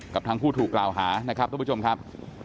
กับทางผู้ถูกกล่าวหานะครับทุกผู้ชมครับ